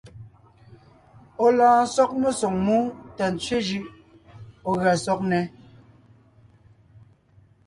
Ɔ̀ lɔɔn sɔg mesoŋ mú tà ntsẅé jʉʼ ɔ̀ gʉa sɔg nnɛ́.